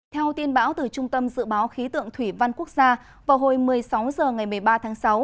theo tin báo từ trung tâm dự báo khí tượng thủy văn quốc gia vào hồi một mươi sáu h ngày một mươi ba tháng sáu